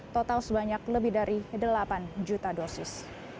total sebanyak lebih dari delapan juta dosis